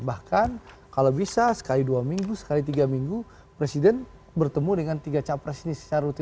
bahkan kalau bisa sekali dua minggu sekali tiga minggu presiden bertemu dengan tiga capres ini secara rutin